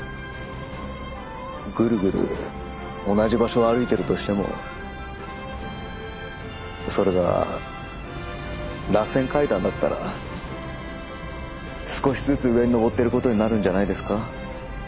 ぐるぐる同じ場所を歩いているとしてもそれがらせん階段だったら少しずつ上に上ってることになるんじゃないですか。